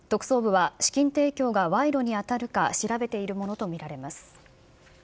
特捜部は資金提供が賄賂に当たるか調べているものと見られます。